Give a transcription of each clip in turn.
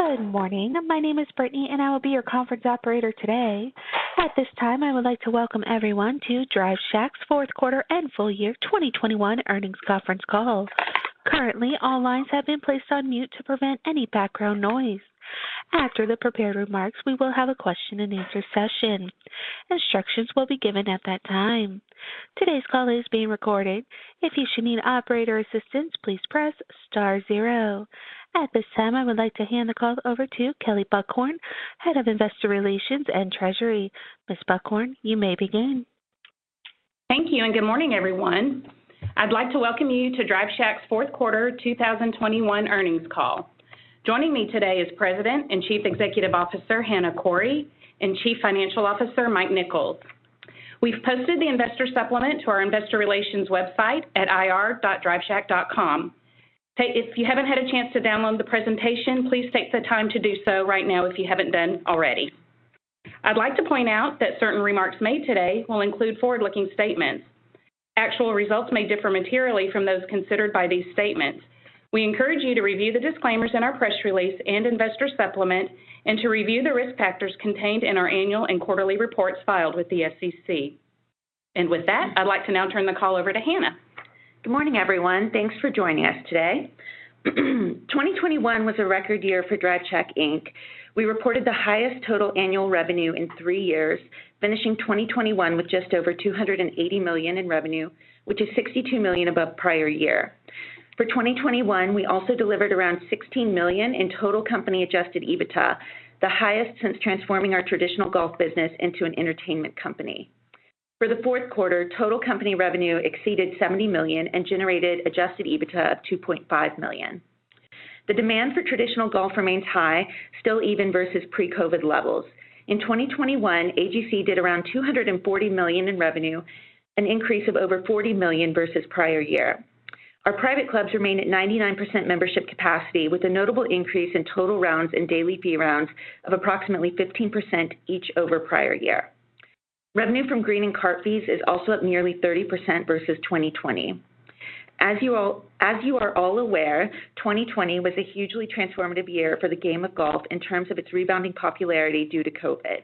Good morning. My name is Brittany, and I will be your conference operator today. At this time, I would like to welcome everyone to Drive Shack's Q4 and full year 2021 earnings conference call. Currently, all lines have been placed on mute to prevent any background noise. After the prepared remarks, we will have a question-and-answer session. Instructions will be given at that time. Today's call is being recorded. If you should need operator assistance, please press star zero. At this time, I would like to hand the call over to Kelley Buchhorn, Head of Investor Relations and Treasury. Ms. Buchhorn, you may begin. Thank you, and good morning, everyone. I'd like to welcome you to Drive Shack's Q4 2021 earnings call. Joining me today is President and Chief Executive Officer, Hana Khouri, and Chief Financial Officer, Mike Nichols. We've posted the investor supplement to our investor relations website at ir.driveshack.com. If you haven't had a chance to download the presentation, please take the time to do so right now if you haven't done already. I'd like to point out that certain remarks made today will include forward-looking statements. Actual results may differ materially from those considered by these statements. We encourage you to review the disclaimers in our press release and investor supplement and to review the risk factors contained in our annual and quarterly reports filed with the SEC. With that, I'd like to now turn the call over to Hana. Good morning, everyone. Thanks for joining us today. 2021 was a record year for Drive Shack Inc. We reported the highest total annual revenue in three years, finishing 2021 with just over $280 million in revenue, which is $62 million above prior year. For 2021, we also delivered around $16 million in total company-Adjusted EBITDA, the highest since transforming our traditional golf business into an entertainment company. For the fourth quarter, total company revenue exceeded $70 million and generated Adjusted EBITDA of $2.5 million. The demand for traditional golf remains high, still even versus pre-COVID-19 levels. In 2021, AGC did around $240 million in revenue, an increase of over $40 million versus prior year. Our private clubs remain at 99% membership capacity, with a notable increase in total rounds and daily fee rounds of approximately 15% each over prior year. Revenue from green and cart fees is also up nearly 30% versus 2020. As you are all aware, 2020 was a hugely transformative year for the game of golf in terms of its rebounding popularity due to COVID.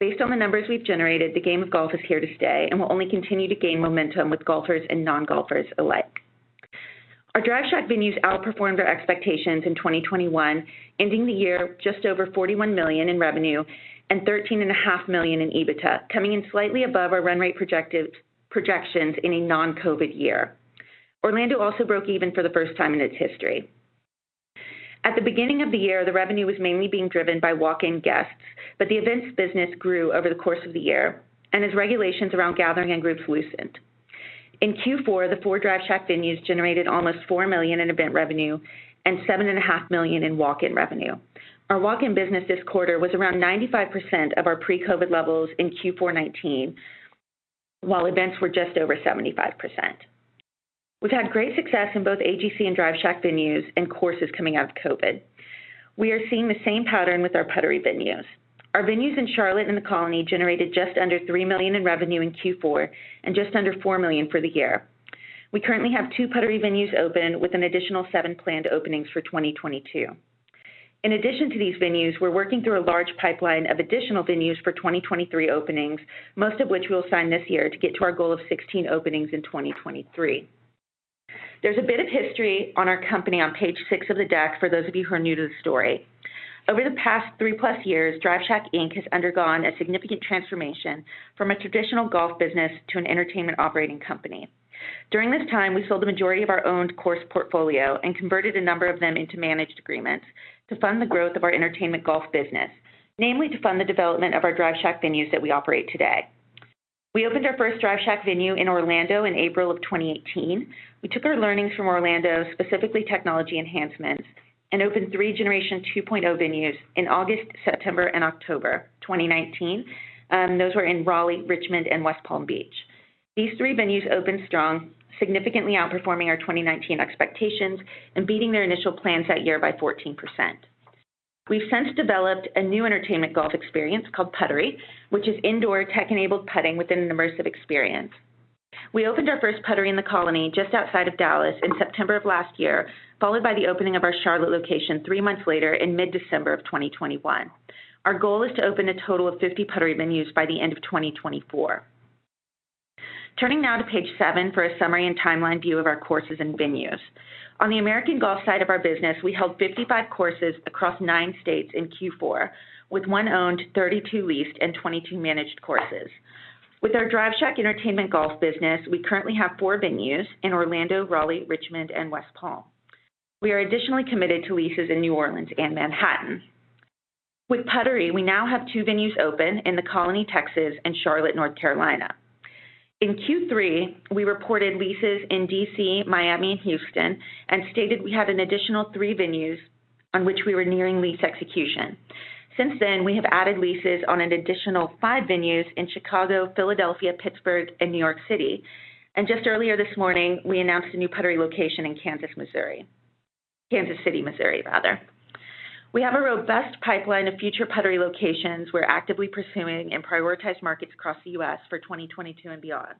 Based on the numbers we've generated, the game of golf is here to stay and will only continue to gain momentum with golfers and non-golfers alike. Our Drive Shack venues outperformed our expectations in 2021, ending the year just over $41 million in revenue and $13.5 million in EBITDA, coming in slightly above our run rate projections in a non-COVID year. Orlando also broke even for the first time in its history. At the beginning of the year, the revenue was mainly being driven by walk-in guests, but the events business grew over the course of the year and as regulations around gathering and groups loosened. In Q4, the four Drive Shack venues generated almost $4 million in event revenue and $7.5 million in walk-in revenue. Our walk-in business this quarter was around 95% of our pre-COVID levels in Q4 2019, while events were just over 75%. We've had great success in both AGC and Drive Shack venues and courses coming out of COVID. We are seeing the same pattern with our Puttery venues. Our venues in Charlotte and The Colony generated just under $3 million in revenue in Q4 and just under $4 million for the year. We currently have two Puttery venues open with an additional seven planned openings for 2022. In addition to these venues, we're working through a large pipeline of additional venues for 2023 openings, most of which we'll sign this year to get to our goal of 16 openings in 2023. There's a bit of history on our company on page 6 of the deck for those of you who are new to the story. Over the past 3+ years, Drive Shack Inc. has undergone a significant transformation from a traditional golf business to an entertainment operating company. During this time, we sold the majority of our owned course portfolio and converted a number of them into managed agreements to fund the growth of our entertainment golf business, namely to fund the development of our Drive Shack venues that we operate today. We opened our first Drive Shack venue in Orlando in April 2018. We took our learnings from Orlando, specifically technology enhancements, and opened three generation 2.0 venues in August, September, and October 2019. Those were in Raleigh, Richmond, and West Palm Beach. These three venues opened strong, significantly outperforming our 2019 expectations and beating their initial plans that year by 14%. We've since developed a new entertainment golf experience called Puttery, which is indoor tech-enabled putting with an immersive experience. We opened our first Puttery in The Colony, just outside of Dallas, in September of last year, followed by the opening of our Charlotte location three months later in mid-December of 2021. Our goal is to open a total of 50 Puttery venues by the end of 2024. Turning now to page seven for a summary and timeline view of our courses and venues. On the American Golf side of our business, we held 55 courses across nine states in Q4, with one owned, 32 leased, and 22 managed courses. With our Drive Shack entertainment golf business, we currently have four venues in Orlando, Raleigh, Richmond, and West Palm. We are additionally committed to leases in New Orleans and Manhattan. With Puttery, we now have two venues open in The Colony, Texas, and Charlotte, North Carolina. In Q3, we reported leases in D.C., Miami, and Houston, and stated we had an additional three venues on which we were nearing lease execution. Since then, we have added leases on an additional five venues in Chicago, Philadelphia, Pittsburgh, and New York City. Just earlier this morning, we announced a new Puttery location in Kansas City, Missouri. We have a robust pipeline of future Puttery locations we're actively pursuing in prioritized markets across the U.S. for 2022 and beyond.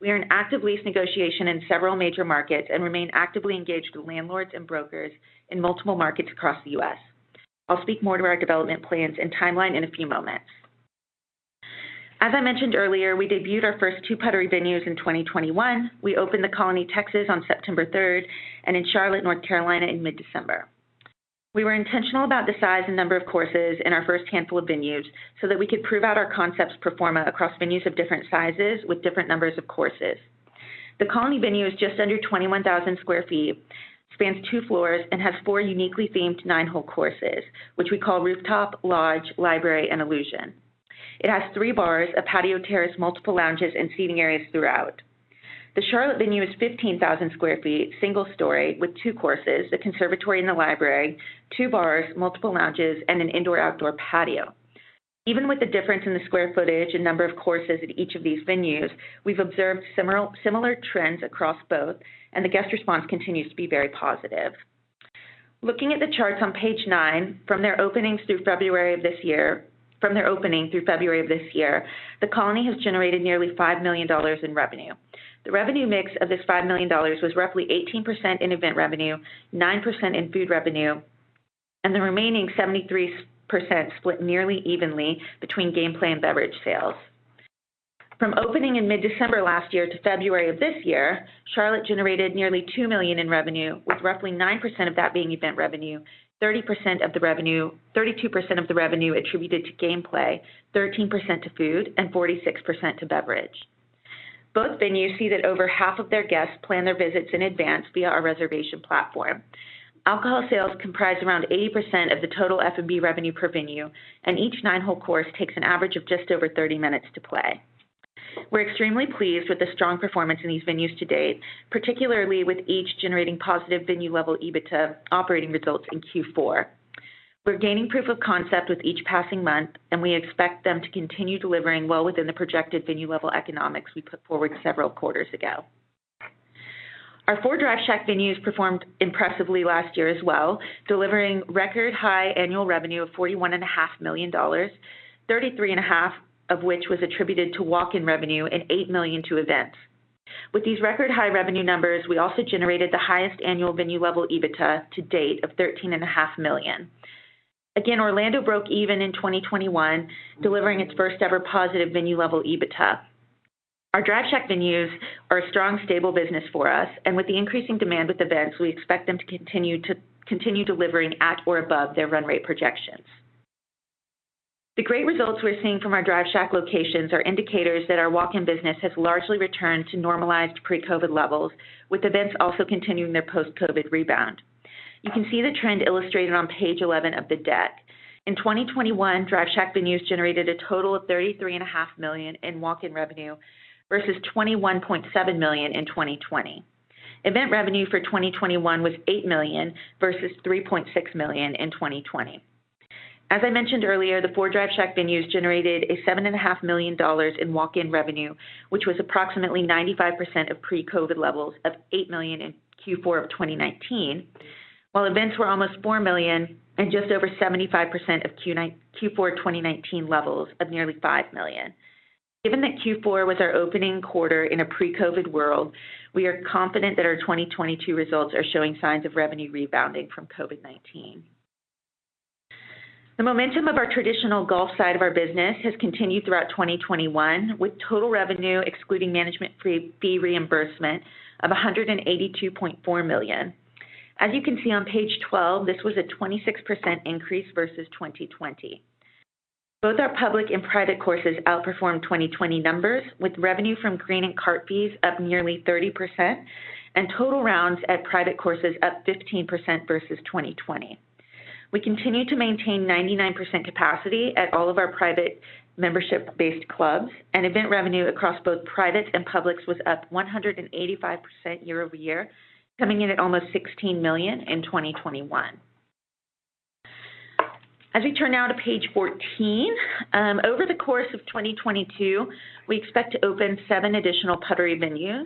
We are in active lease negotiation in several major markets and remain actively engaged with landlords and brokers in multiple markets across the U.S. I'll speak more to our development plans and timeline in a few moments. As I mentioned earlier, we debuted our first two Puttery venues in 2021. We opened The Colony, Texas on September 3rd, and in Charlotte, North Carolina in mid-December. We were intentional about the size and number of courses in our first handful of venues so that we could prove out our concept's pro forma across venues of different sizes with different numbers of courses. The Colony venue is just under 21,000 sq ft, spans two floors, and has four uniquely themed nine-hole courses, which we call Rooftop, Lodge, Library, and Illusion. It has three bars, a patio terrace, multiple lounges, and seating areas throughout. The Charlotte venue is 15,000 sq ft, single story with two courses, the Conservatory and the Library, two bars, multiple lounges, and an indoor-outdoor patio. Even with the difference in the square footage and number of courses at each of these venues, we've observed similar trends across both, and the guest response continues to be very positive. Looking at the charts on page nine, from their openings through February of this year, The Colony has generated nearly $5 million in revenue. The revenue mix of this $5 million was roughly 18% in event revenue, 9% in food revenue, and the remaining 73% split nearly evenly between gameplay and beverage sales. From opening in mid-December last year to February of this year, Charlotte generated nearly $2 million in revenue, with roughly 9% of that being event revenue, 32% of the revenue attributed to gameplay, 13% to food, and 46% to beverage. Both venues see that over half of their guests plan their visits in advance via our reservation platform. Alcohol sales comprise around 80% of the total F&B revenue per venue, and each nine-hole course takes an average of just over 30 minutes to play. We're extremely pleased with the strong performance in these venues to date, particularly with each generating positive venue-level EBITDA operating results in Q4. We're gaining proof of concept with each passing month, and we expect them to continue delivering well within the projected venue-level economics we put forward several quarters ago. Our four Drive Shack venues performed impressively last year as well, delivering record high annual revenue of $41.5 million, $33.5 million of which was attributed to walk-in revenue and $8 million to events. With these record-high revenue numbers, we also generated the highest annual venue-level EBITDA to date of $13.5 million. Again, Orlando broke even in 2021, delivering its first-ever positive venue-level EBITDA. Our Drive Shack venues are a strong, stable business for us, and with the increasing demand with events, we expect them to continue delivering at or above their run rate projections. The great results we're seeing from our Drive Shack locations are indicators that our walk-in business has largely returned to normalized pre-COVID levels, with events also continuing their post-COVID rebound. You can see the trend illustrated on page 11 of the deck. In 2021, Drive Shack venues generated a total of $33.5 million in walk-in revenue versus $21.7 million in 2020. Event revenue for 2021 was $8 million versus $3.6 million in 2020. As I mentioned earlier, the four Drive Shack venues generated $7.5 million in walk-in revenue, which was approximately 95% of pre-COVID levels of $8 million in Q4 of 2019. While events were almost $4 million and just over 75% of Q4 2019 levels of nearly $5 million. Given that Q4 was our opening quarter in a pre-COVID world, we are confident that our 2022 results are showing signs of revenue rebounding from COVID-19. The momentum of our traditional golf side of our business has continued throughout 2021, with total revenue excluding management fee reimbursement of $182.4 million. As you can see on page 12, this was a 26% increase versus 2020. Both our public and private courses outperformed 2020 numbers, with revenue from green and cart fees up nearly 30% and total rounds at private courses up 15% versus 2020. We continue to maintain 99% capacity at all of our private membership-based clubs, and event revenue across both private and publics was up 185% year over year, coming in at almost $16 million in 2021. As we turn now to page 14, over the course of 2022, we expect to open open additional Puttery venues.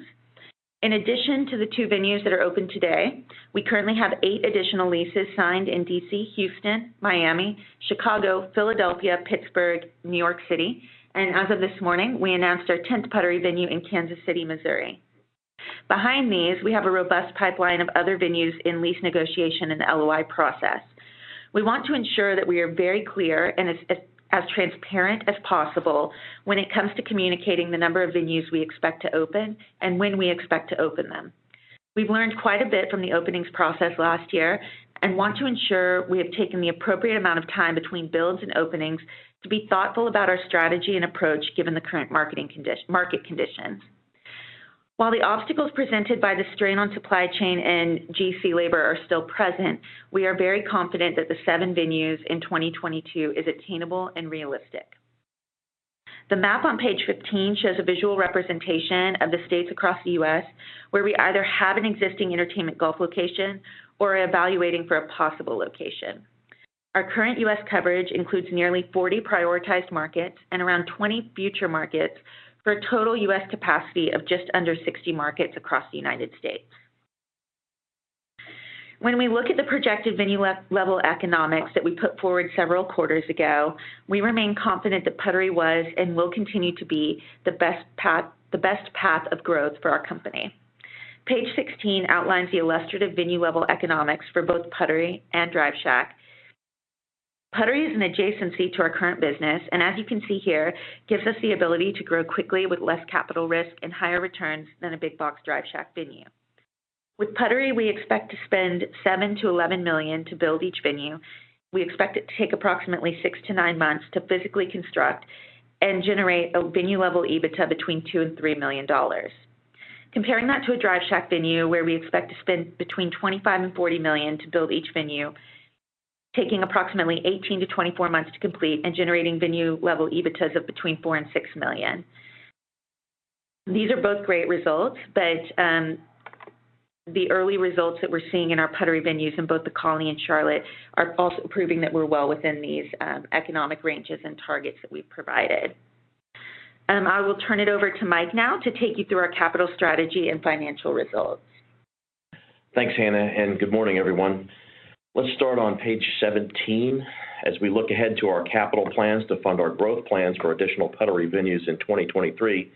In addition to the two venues that are open today, we currently have eight additional leases signed in D.C., Houston, Miami, Chicago, Philadelphia, Pittsburgh, New York City, and as of this morning, we announced our 10th Puttery venue in Kansas City, Missouri. Behind these, we have a robust pipeline of other venues in lease negotiation and the LOI process. We want to ensure that we are very clear and as transparent as possible when it comes to communicating the number of venues we expect to open and when we expect to open them. We've learned quite a bit from the openings process last year and want to ensure we have taken the appropriate amount of time between builds and openings to be thoughtful about our strategy and approach given the current market conditions. While the obstacles presented by the strain on supply chain and GC labor are still present, we are very confident that the seven venues in 2022 is attainable and realistic. The map on page 15 shows a visual representation of the states across the U.S. where we either have an existing entertainment golf location or are evaluating for a possible location. Our current U.S. coverage includes nearly 40 prioritized markets and around 20 future markets for a total U.S. capacity of just under 60 markets across the United States. When we look at the projected venue-level economics that we put forward several quarters ago, we remain confident that Puttery was and will continue to be the best path of growth for our company. Page 16 outlines the illustrative venue-level economics for both Puttery and Drive Shack. Puttery is an adjacency to our current business, and as you can see here, gives us the ability to grow quickly with less capital risk and higher returns than a big box Drive Shack venue. With Puttery, we expect to spend $7 million-$11 million to build each venue. We expect it to take approximately six-nine months to physically construct and generate a venue-level EBITDA between $2 million and $3 million. Comparing that to a Drive Shack venue, where we expect to spend between $25 million and $40 million to build each venue, taking approximately 18-24 months to complete and generating venue-level EBITDAs of between $4 million and $6 million. These are both great results, but, the early results that we're seeing in our Puttery venues in both The Colony and Charlotte are also proving that we're well within these, economic ranges and targets that we've provided. I will turn it over to Mike now to take you through our capital strategy and financial results. Thanks, Hana, and good morning, everyone. Let's start on page 17. As we look ahead to our capital plans to fund our growth plans for additional Puttery venues in 2023,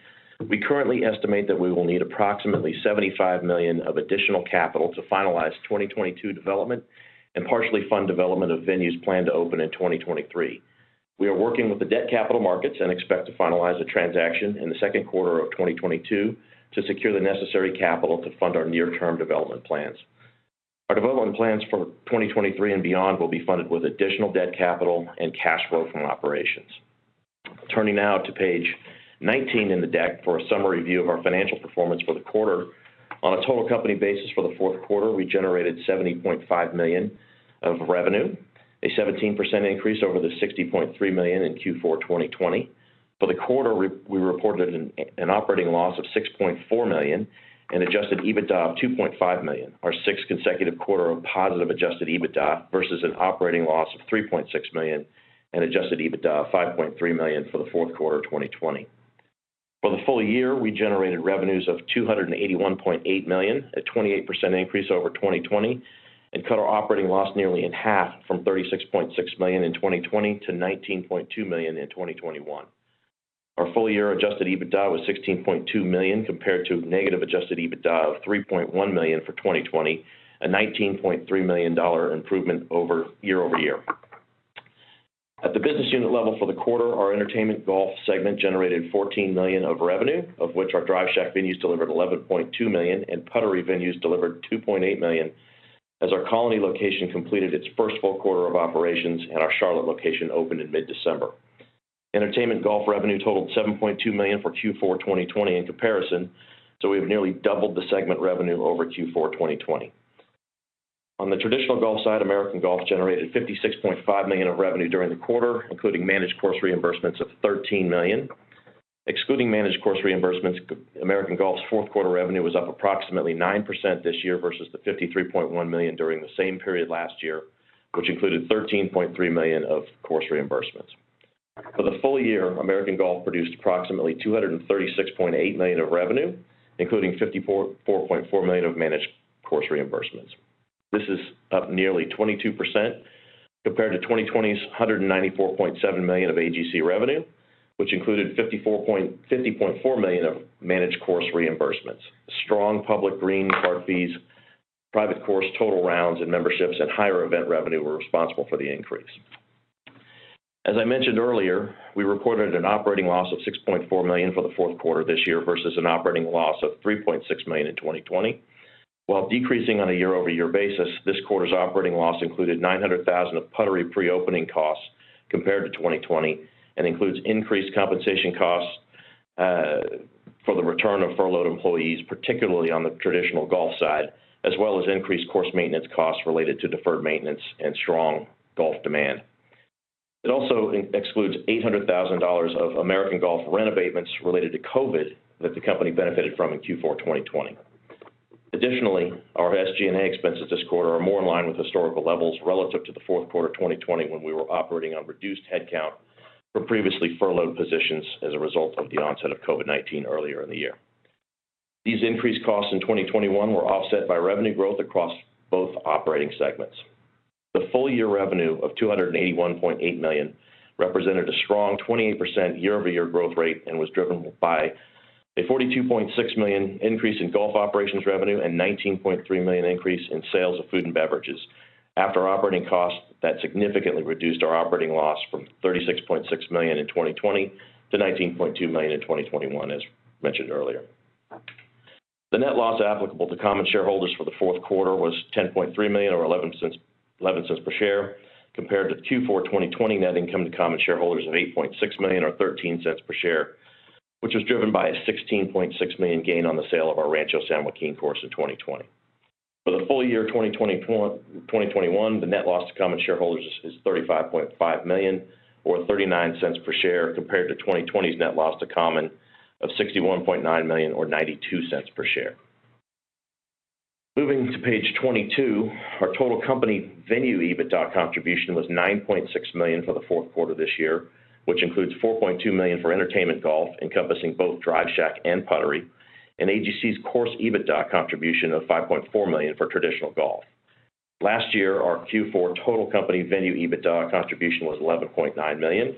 we currently estimate that we will need approximately $75 million of additional capital to finalize 2022 development and partially fund development of venues planned to open in 2023. We are working with the debt capital markets and expect to finalize a transaction in the Q2 of 2022 to secure the necessary capital to fund our near-term development plans. Our development plans for 2023 and beyond will be funded with additional debt capital and cash flow from operations. Turning now to page 19 in the deck for a summary view of our financial performance for the quarter. On a total company basis for the fourth quarter, we generated $70.5 million of revenue, a 17% increase over the $60.3 million in Q4 2020. For the quarter, we reported an operating loss of $6.4 million and Adjusted EBITDA of $2.5 million, our sixth consecutive quarter of positive Adjusted EBITDA versus an operating loss of $3.6 million and Adjusted EBITDA of $5.3 million for the Q4 of 2020. For the full year, we generated revenues of $281.8 million, a 28% increase over 2020, and cut our operating loss nearly in half from $36.6 million in 2020 to $19.2 million in 2021. Our full year Adjusted EBITDA was $16.2 million compared to negative Adjusted EBITDA of $3.1 million for 2020, a $19.3 million improvement year over year. At the business unit level for the quarter, our entertainment golf segment generated $14 million of revenue, of which our Drive Shack venues delivered $11.2 million and Puttery venues delivered $2.8 million as our Colony location completed its first full quarter of operations and our Charlotte location opened in mid-December. Entertainment golf revenue totaled $7.2 million for Q4 2020 in comparison, so we've nearly doubled the segment revenue over Q4 2020. On the traditional golf side, American Golf generated $56.5 million of revenue during the quarter, including managed course reimbursements of $13 million. Excluding managed course reimbursements, American Golf's Q4 revenue was up approximately 9% this year versus the $53.1 million during the same period last year, which included $13.3 million of course reimbursements. For the full year, American Golf produced approximately $236.8 million of revenue, including $54.4 million of managed course reimbursements. This is up nearly 22% compared to 2020's $194.7 million of AGC revenue, which included $50.4 million of managed course reimbursements. Strong public green cart fees, private course total rounds and memberships and higher event revenue were responsible for the increase. As I mentioned earlier, we reported an operating loss of $6.4 million for the Q4 this year versus an operating loss of $3.6 million in 2020. While decreasing on a year-over-year basis, this quarter's operating loss included $900,000 of Puttery pre-opening costs compared to 2020 and includes increased compensation costs for the return of furloughed employees, particularly on the traditional golf side, as well as increased course maintenance costs related to deferred maintenance and strong golf demand. It also excludes $800,000 of American Golf rent abatements related to COVID that the company benefited from in Q4 2020. Additionally, our SG&A expenses this quarter are more in line with historical levels relative to the Q4 2020 when we were operating on reduced headcount from previously furloughed positions as a result of the onset of COVID-19 earlier in the year. These increased costs in 2021 were offset by revenue growth across both operating segments. The full year revenue of $281.8 million represented a strong 28% year-over-year growth rate and was driven by a $42.6 million increase in golf operations revenue and $19.3 million increase in sales of food and beverages after operating costs that significantly reduced our operating loss from $36.6 million in 2020 to $19.2 million in 2021, as mentioned earlier. The net loss applicable to common shareholders for the Q4 was $10.3 million or $0.11 per share, compared to Q4 2020 net income to common shareholders of $8.6 million or $0.13 per share, which was driven by a $16.6 million gain on the sale of our Rancho San Joaquin course in 2020. For the full year 2021, the net loss to common shareholders is $35.5 million or $0.39 per share compared to 2020's net loss to common of $61.9 million or $0.92 per share. Moving to page 22, our total company venue EBITDA contribution was $9.6 million for the Q4 this year, which includes $4.2 million for entertainment golf, encompassing both Drive Shack and Puttery, and AGC's course EBITDA contribution of $5.4 million for traditional golf. Last year, our Q4 total company venue EBITDA contribution was $11.9 million,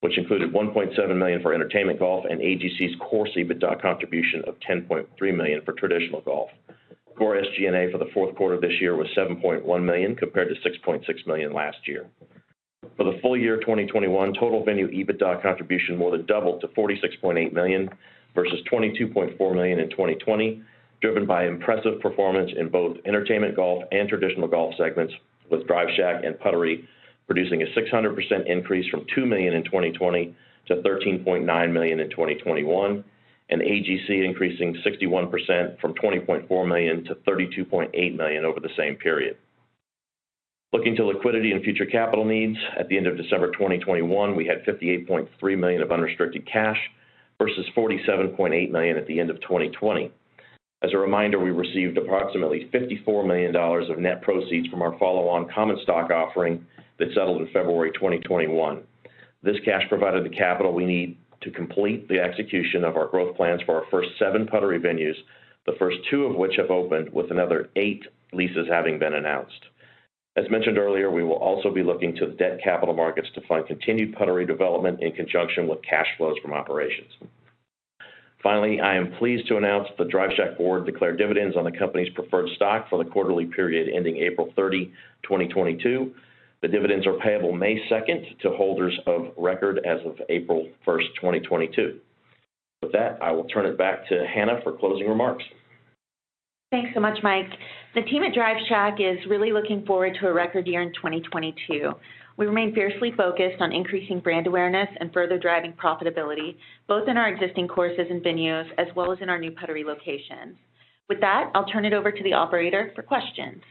which included $1.7 million for entertainment golf and AGC's course EBITDA contribution of $10.3 million for traditional golf. Core SG&A for the Q4 this year was $7.1 million compared to $6.6 million last year. For the full year 2021, total venue EBITDA contribution more than doubled to $46.8 million versus $22.4 million in 2020, driven by impressive performance in both entertainment golf and traditional golf segments, with Drive Shack and Puttery producing a 600% increase from $2 million in 2020 to $13.9 million in 2021, and AGC increasing 61% from $20.4 million to $32.8 million over the same period. Looking to liquidity and future capital needs, at the end of December 2021, we had $58.3 million of unrestricted cash versus $47.8 million at the end of 2020. As a reminder, we received approximately $54 million of net proceeds from our follow-on common stock offering that settled in February 2021. This cash provided the capital we need to complete the execution of our growth plans for our first seven Puttery venues, the first two of which have opened with another eight leases having been announced. As mentioned earlier, we will also be looking to the debt capital markets to fund continued Puttery development in conjunction with cash flows from operations. Finally, I am pleased to announce the Drive Shack board declared dividends on the company's preferred stock for the quarterly period ending April 30, 2022. The dividends are payable May 2nd to holders of record as of April 1st, 2022. With that, I will turn it back to Hana for closing remarks. Thanks so much, Mike. The team at Drive Shack is really looking forward to a record year in 2022. We remain fiercely focused on increasing brand awareness and further driving profitability, both in our existing courses and venues, as well as in our new Puttery locations. With that, I'll turn it over to the operator for questions.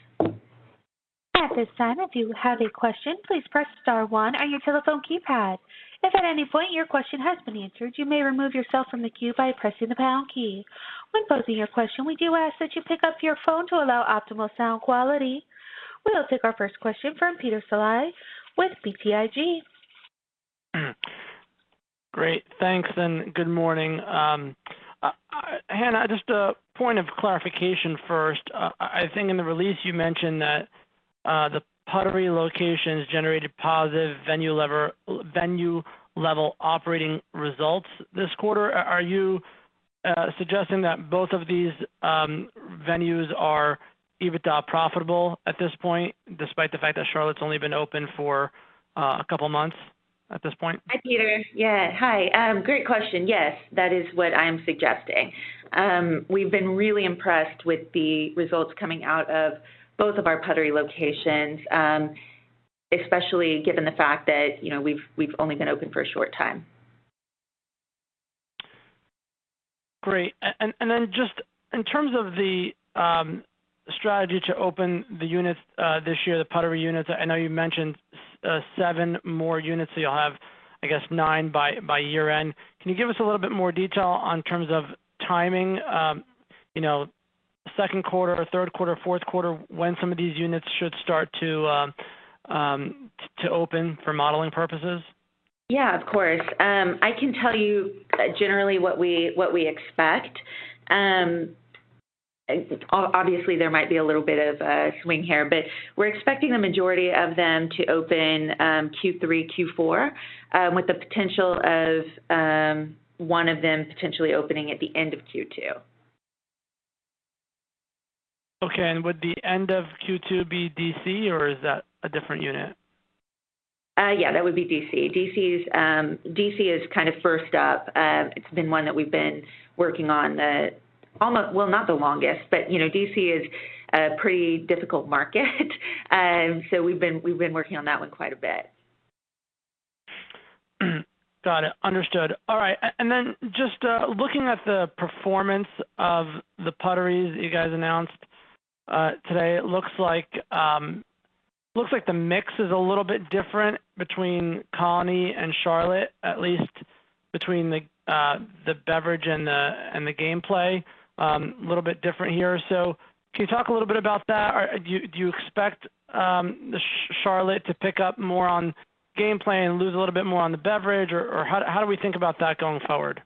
At this time, if you have a question, please press star one on your telephone keypad. If at any point your question has been answered, you may remove yourself from the queue by pressing the pound key. When posing your question, we do ask that you pick up your phone to allow optimal sound quality. We'll take our first question from Peter Saleh with BTIG. Great. Thanks, and good morning. Hannah, just a point of clarification first. I think in the release you mentioned that the Puttery locations generated positive venue-level operating results this quarter. Are you suggesting that both of these venues are EBITDA profitable at this point, despite the fact that Charlotte's only been open for a couple months at this point? Hi, Peter. Yeah. Hi. Great question. Yes, that is what I'm suggesting. We've been really impressed with the results coming out of both of our Puttery locations, especially given the fact that, you know, we've only been open for a short time. Great. Then just in terms of the strategy to open the units this year, the Puttery units, I know you mentioned seven more units, so you'll have, I guess, nine by year-end. Can you give us a little bit more detail in terms of timing, you know, Q2, Q3, Q4, when some of these units should start to open for modeling purposes? Yeah, of course. I can tell you generally what we expect. Obviously, there might be a little bit of a swing here, but we're expecting the majority of them to open Q3, Q4, with the potential of one of them potentially opening at the end of Q2. Okay. Would the end of Q2 be D.C., or is that a different unit? Yeah, that would be D.C. D.C. is kind of first up. It's been one that we've been working on, well, not the longest, but you know, D.C. is a pretty difficult market. We've been working on that one quite a bit. Got it. Understood. All right. Then just looking at the performance of the Putteries that you guys announced today, it looks like the mix is a little bit different between Colony and Charlotte, at least between the beverage and the gameplay, a little bit different here. Can you talk a little bit about that? Do you expect the Charlotte to pick up more on gameplay and lose a little bit more on the beverage? How do we think about that going forward?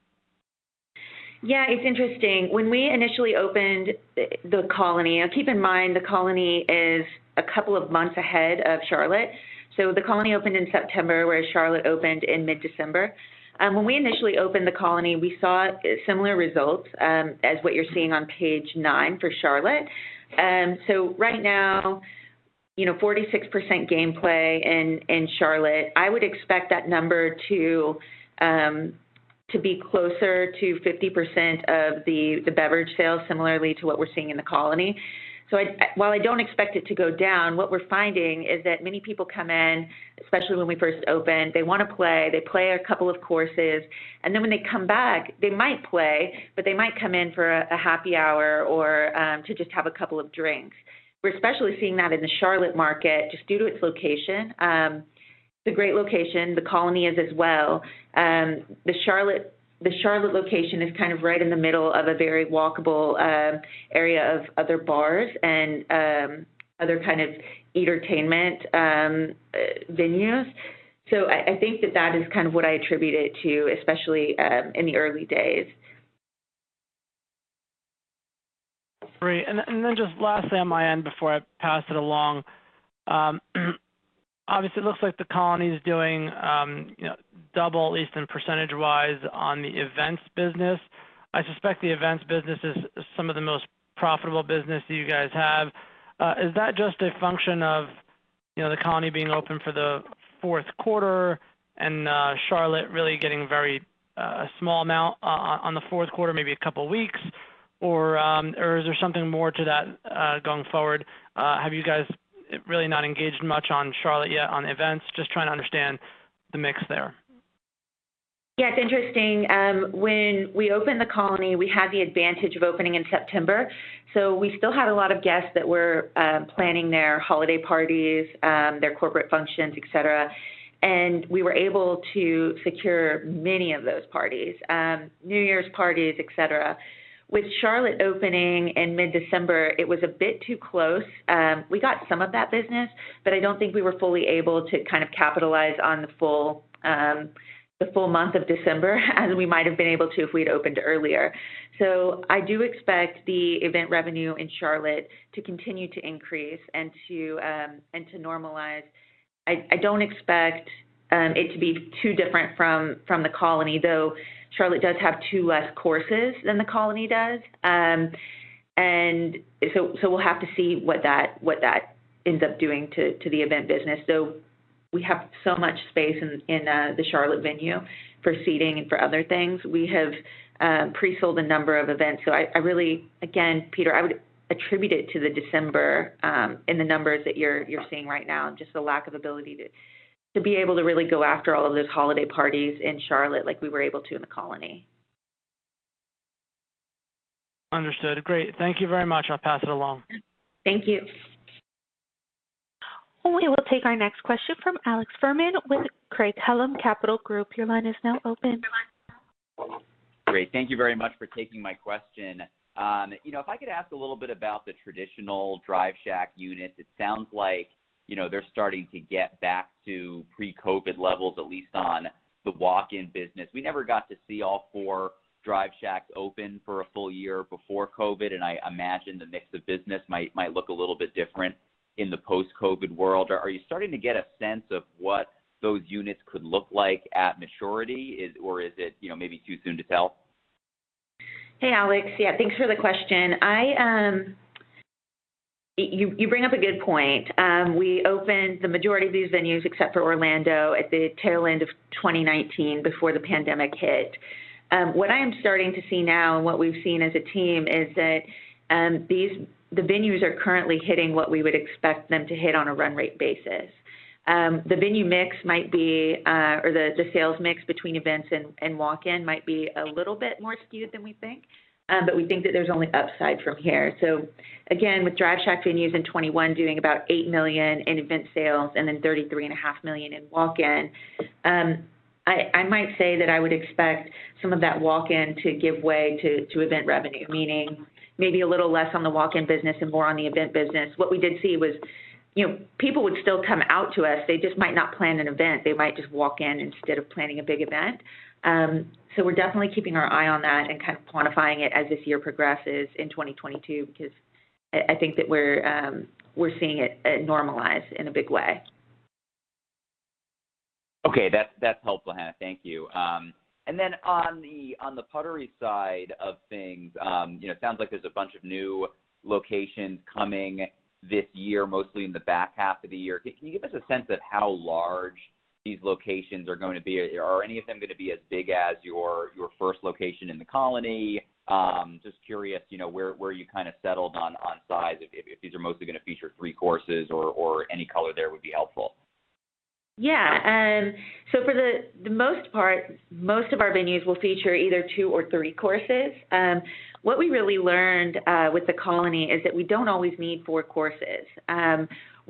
Yeah. It's interesting. When we initially opened the Colony, now keep in mind The Colony is a couple of months ahead of Charlotte. The Colony opened in September, whereas Charlotte opened in mid-December. When we initially opened The Colony, we saw similar results as what you're seeing on page nine for Charlotte. Right now, you know, 46% gameplay in Charlotte. I would expect that number to be closer to 50% of the beverage sales, similarly to what we're seeing in The Colony. While I don't expect it to go down, what we're finding is that many people come in, especially when we first opened, they wanna play, they play a couple of courses, and then when they come back, they might play, but they might come in for a happy hour or to just have a couple of drinks. We're especially seeing that in the Charlotte market just due to its location. It's a great location. The Colony is as well. The Charlotte location is kind of right in the middle of a very walkable area of other bars and other kind of entertainment venues. I think that that is kind of what I attribute it to, especially in the early days. Great. Just lastly on my end before I pass it along, obviously it looks like The Colony is doing, you know, double at least percentage-wise on the events business. I suspect the events business is some of the most profitable business that you guys have. Is that just a function of, you know, The Colony being open for the Q4 and Charlotte really getting very small amount on the fourth quarter, maybe a couple weeks or is there something more to that going forward? Have you guys really not engaged much on Charlotte yet on events? Just trying to understand the mix there. Yeah, it's interesting. When we opened The Colony, we had the advantage of opening in September, so we still had a lot of guests that were planning their holiday parties, their corporate functions, et cetera. We were able to secure many of those parties, New Year's parties, et cetera. With Charlotte opening in mid-December, it was a bit too close. We got some of that business, but I don't think we were fully able to kind of capitalize on the full month of December as we might have been able to if we'd opened earlier. I do expect the event revenue in Charlotte to continue to increase and to normalize. I don't expect it to be too different from The Colony, though Charlotte does have two less courses than The Colony does. We'll have to see what that ends up doing to the event business. We have so much space in the Charlotte venue for seating and for other things. We have pre-sold a number of events. I really, again, Peter, would attribute it to the December in the numbers that you're seeing right now, just the lack of ability to be able to really go after all of those holiday parties in Charlotte like we were able to in The Colony. Understood. Great. Thank you very much. I'll pass it along. Thank you. We will take our next question from Alex Fuhrman with Craig-Hallum Capital Group. Your line is now open. Great. Thank you very much for taking my question. You know, if I could ask a little bit about the traditional Drive Shack unit. It sounds like, you know, they're starting to get back to pre-COVID levels, at least on the walk-in business. We never got to see all four Drive Shacks open for a full year before COVID, and I imagine the mix of business might look a little bit different in the post-COVID world. Are you starting to get a sense of what those units could look like at maturity? Or is it, you know, maybe too soon to tell? Hey, Alex. Yeah, thanks for the question. You bring up a good point. We opened the majority of these venues, except for Orlando, at the tail end of 2019 before the pandemic hit. What I am starting to see now and what we've seen as a team is that the venues are currently hitting what we would expect them to hit on a run rate basis. The venue mix might be or the sales mix between events and walk-in might be a little bit more skewed than we think, but we think that there's only upside from here. Again, with Drive Shack venues in 2021 doing about $8 million in event sales and then $33.5 million in walk-in, I might say that I would expect some of that walk-in to give way to event revenue, meaning maybe a little less on the walk-in business and more on the event business. What we did see was, you know, people would still come out to us. They just might not plan an event. They might just walk in instead of planning a big event. We're definitely keeping our eye on that and kind of quantifying it as this year progresses in 2022, because I think that we're seeing it normalize in a big way. Okay. That's helpful, Hana. Thank you. On the Puttery side of things, you know, it sounds like there's a bunch of new locations coming this year, mostly in the back half of the year. Can you give us a sense of how large these locations are going to be? Are any of them gonna be as big as your first location in The Colony? Just curious, you know, where you kind of settled on size, if these are mostly gonna feature three courses or any color there would be helpful. For the most part, most of our venues will feature either two or three courses. What we really learned with The Colony is that we don't always need four courses.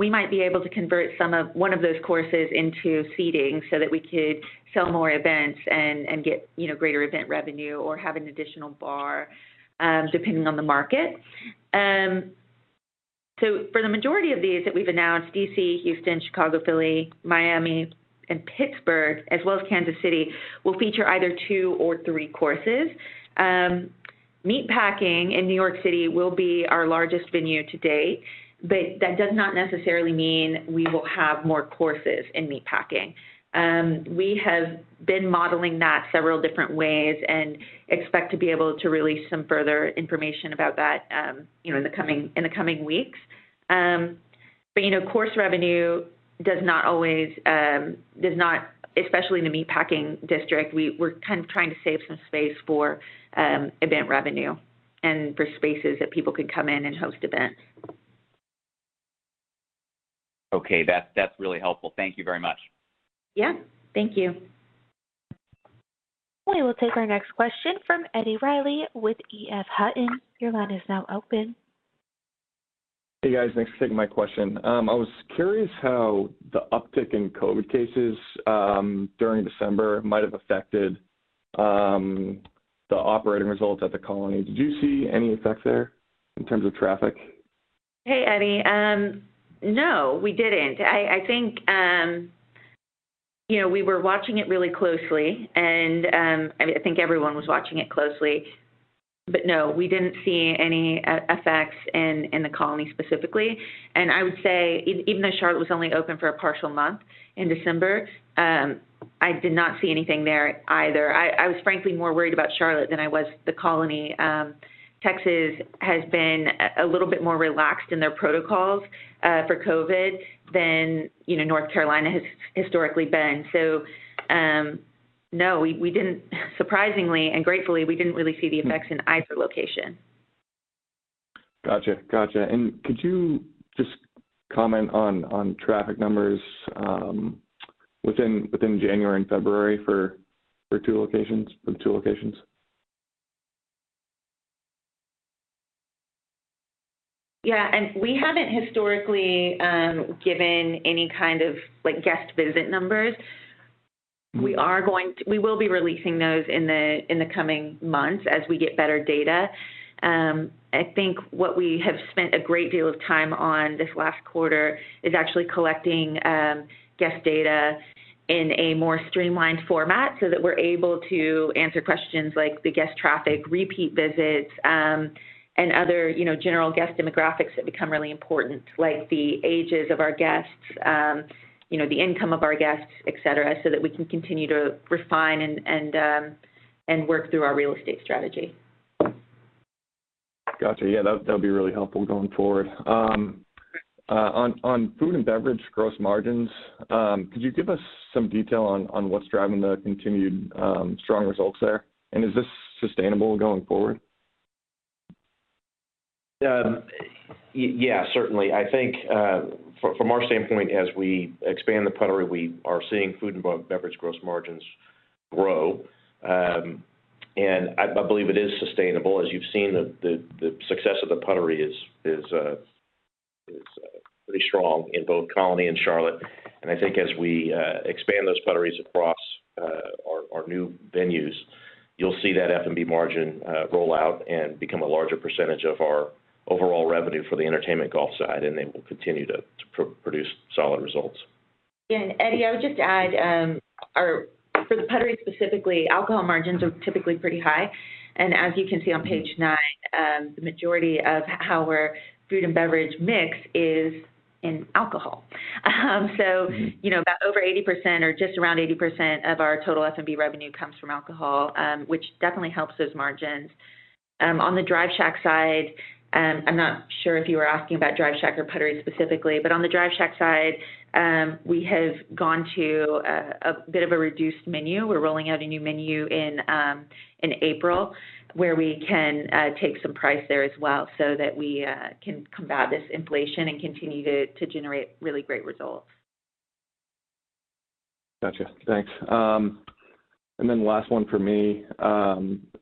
We might be able to convert one of those courses into seating so that we could sell more events and get, you know, greater event revenue or have an additional bar, depending on the market. For the majority of these that we've announced, D.C., Houston, Chicago, Philly, Miami, and Pittsburgh, as well as Kansas City, will feature either two or three courses. Meatpacking in New York City will be our largest venue to date, but that does not necessarily mean we will have more courses in Meatpacking. We have been modeling that several different ways and expect to be able to release some further information about that, you know, in the coming weeks. You know, course revenue does not always especially in the Meatpacking District, we're kind of trying to save some space for event revenue and for spaces that people can come in and host events. Okay. That's really helpful. Thank you very much. Yeah. Thank you. We will take our next question from Eddie Reilly with EF Hutton. Your line is now open. Hey, guys. Thanks for taking my question. I was curious how the uptick in COVID-19 cases during December might have affected the operating results at The Colony. Did you see any effects there in terms of traffic? Hey, Eddie. No, we didn't. I think you know, we were watching it really closely, and I think everyone was watching it closely. No, we didn't see any effects in The Colony specifically. I would say even though Charlotte was only open for a partial month in December, I did not see anything there either. I was frankly more worried about Charlotte than I was The Colony. Texas has been a little bit more relaxed in their protocols for COVID than you know, North Carolina has historically been. No, surprisingly and gratefully, we didn't really see the effects in either location. Gotcha. Could you just comment on traffic numbers within January and February for the two locations? Yeah. We haven't historically given any kind of, like, guest visit numbers. We will be releasing those in the coming months as we get better data. I think what we have spent a great deal of time on this last quarter is actually collecting guest data in a more streamlined format so that we're able to answer questions like the guest traffic, repeat visits, and other, you know, general guest demographics that become really important, like the ages of our guests, you know, the income of our guests, et cetera, so that we can continue to refine and work through our real estate strategy. Gotcha. Yeah. That'd be really helpful going forward. On food and beverage gross margins, could you give us some detail on what's driving the continued strong results there? Is this sustainable going forward? Yeah, certainly. I think, from our standpoint, as we expand the Puttery, we are seeing food and beverage gross margins grow. I believe it is sustainable. As you've seen, the success of the Puttery is pretty strong in both Colony and Charlotte. I think as we expand those Putteries across our new venues, you'll see that F&B margin roll out and become a larger percentage of our overall revenue for the entertainment golf side, and they will continue to produce solid results. Yeah. Eddie, I would just add, for the Puttery specifically, alcohol margins are typically pretty high. As you can see on page nine, the majority of our food and beverage mix is in alcohol. You know, about over 80% or just around 80% of our total F&B revenue comes from alcohol, which definitely helps those margins. On the Drive Shack side, I'm not sure if you were asking about Drive Shack or Puttery specifically. On the Drive Shack side, we have gone to a bit of a reduced menu. We're rolling out a new menu in April, where we can take some price there as well, so that we can combat this inflation and continue to generate really great results. Gotcha. Thanks. Last one for me.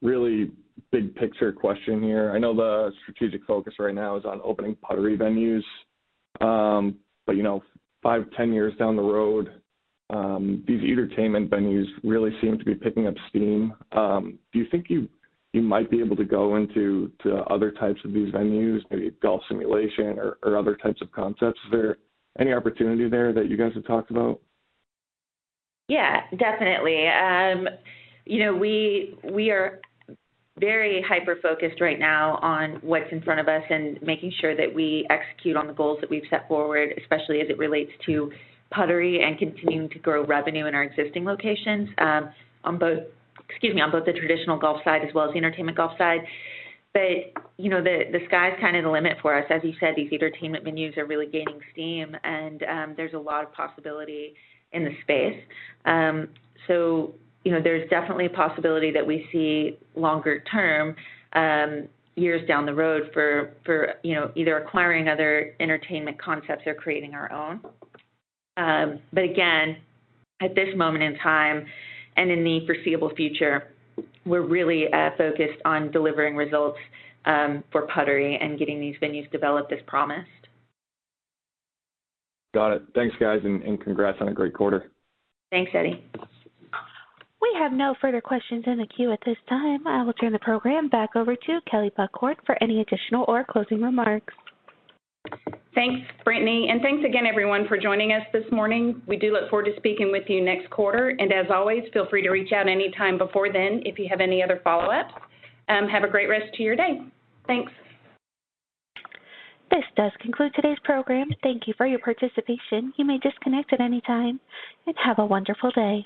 Really big picture question here. I know the strategic focus right now is on opening Puttery venues. You know, five, 10 years down the road, these entertainment venues really seem to be picking up steam. Do you think you might be able to go into other types of these venues, maybe golf simulation or other types of concepts? Is there any opportunity there that you guys have talked about? Yeah, definitely. You know, we are very hyper-focused right now on what's in front of us and making sure that we execute on the goals that we've set forward, especially as it relates to Puttery and continuing to grow revenue in our existing locations, on both the traditional golf side as well as the entertainment golf side. You know, the sky's kind of the limit for us. As you said, these entertainment venues are really gaining steam, and there's a lot of possibility in the space. You know, there's definitely a possibility that we see longer term, years down the road for, you know, either acquiring other entertainment concepts or creating our own. Again, at this moment in time and in the foreseeable future, we're really focused on delivering results for Puttery and getting these venues developed as promised. Got it. Thanks, guys. Congrats on a great quarter. Thanks, Eddie. We have no further questions in the queue at this time. I will turn the program back over to Kelley Buchhorn for any additional or closing remarks. Thanks, Brittany. Thanks again, everyone, for joining us this morning. We do look forward to speaking with you next quarter. As always, feel free to reach out any time before then if you have any other follow-ups. Have a great rest of your day. Thanks. This does conclude today's program. Thank you for your participation. You may disconnect at any time, and have a wonderful day.